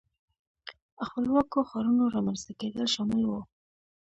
خپلواکو ښارونو رامنځته کېدل شامل وو.